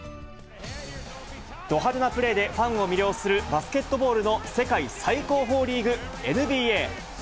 ド派手なプレーでファンを魅了する、バスケットボールの世界最高峰リーグ、ＮＢＡ。